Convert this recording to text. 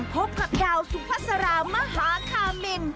พบกับดาวสุภาษารามหาคามิน